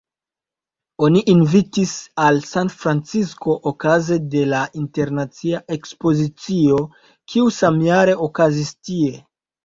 Oni invitis al San-Francisko okaze de la Internacia ekspozicio, kiu samjare okazis tie.